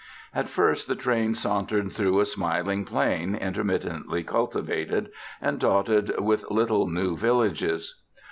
At first the train sauntered through a smiling plain, intermittently cultivated, and dotted with little new villages.